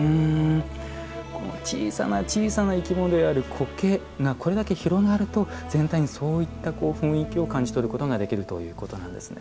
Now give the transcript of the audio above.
この小さな小さな生き物である苔がこれだけ広がると全体にそういった雰囲気を感じ取ることができるということなんですね。